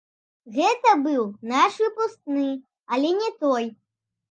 Гэта быў наш выпускны, але не той.